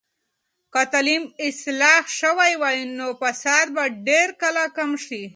که تعلیم اصلاح شوي وي، نو فساد به ډیر کله کم شي.